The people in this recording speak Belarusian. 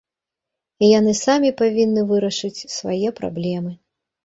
І яны самі павінны вырашыць свае праблемы.